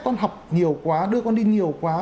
con học nhiều quá đưa con đi nhiều quá